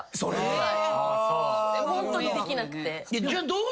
ホントにできなくて。